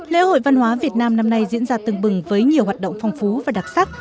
lễ hội văn hóa việt nam năm nay diễn ra tương bừng với nhiều hoạt động phong phú và đặc sắc